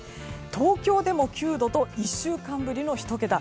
東京でも９度と１週間ぶりの１桁。